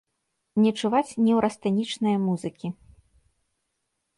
Не чуваць неўрастэнічнае музыкі.